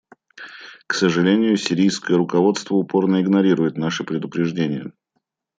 К сожалению, сирийское руководство упорно игнорирует наши предупреждения.